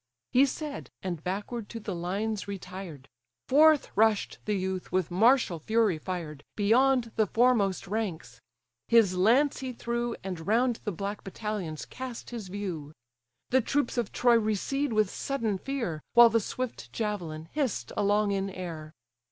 He said; and backward to the lines retired; Forth rush'd the youth with martial fury fired, Beyond the foremost ranks; his lance he threw, And round the black battalions cast his view. The troops of Troy recede with sudden fear, While the swift javelin hiss'd along in air.